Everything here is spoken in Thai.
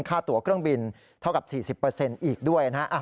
ค่าตัวเครื่องบินเท่ากับ๔๐อีกด้วยนะฮะ